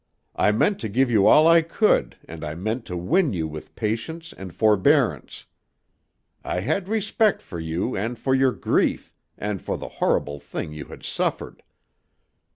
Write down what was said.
I meant to give you all I could and I meant to win you with patience and forbearance. I had respect for you and for your grief and for the horrible thing you had suffered.